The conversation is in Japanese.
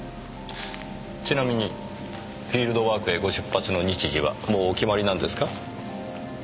ちなみにフィールドワークへご出発の日時はもうお決まりなんですか？